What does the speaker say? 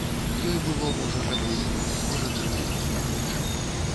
Ёй было можа гадоў тры, можа чатыры, не больш.